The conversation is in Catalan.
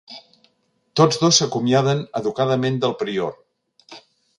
Tots dos s'acomiaden educadament del prior.